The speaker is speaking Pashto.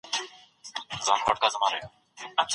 د مقاومت قانون پرمختګ ساتي.